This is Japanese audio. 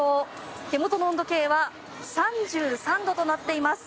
手元の温度計は３３度となっています。